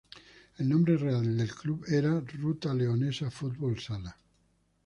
El nombre real del club era Ruta Leonesa Fútbol Sala.